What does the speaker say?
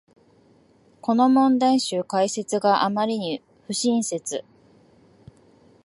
この問題集、解説があまりに不親切